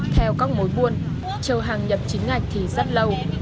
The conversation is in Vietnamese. theo các mối buôn chờ hàng nhập chính ngạch thì rất lâu